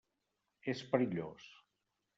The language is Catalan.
És perillós.